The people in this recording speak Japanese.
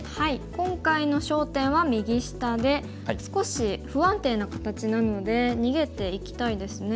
今回の焦点は右下で少し不安定な形なので逃げていきたいですね。